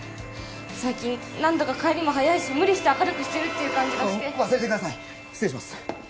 最近何だか帰りも早いし無理して明るくしてる感じがして忘れてください失礼します